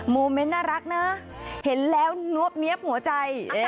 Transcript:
โมเมนต์น่ารักนะเห็นแล้วนวบเนี๊ยบหัวใจ